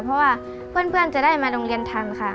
เพราะว่าเพื่อนจะได้มาโรงเรียนทำค่ะ